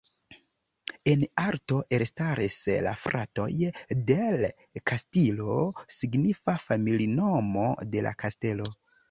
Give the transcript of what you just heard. En arto elstaris la fratoj "del Castillo", signifa familinomo "de la Kastelo".